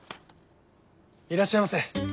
いらっしゃいませ。